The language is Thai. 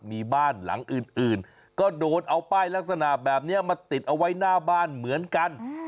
มีบ้านหลังอื่นก็โดนเอาป้ายลักษณะแบบนี้มาติดเอาไว้หน้าบ้านเหมือนกัน